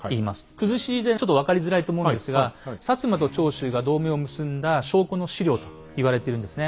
崩し字でちょっと分かりづらいと思うんですが摩と長州が同盟を結んだ証拠の史料と言われてるんですね。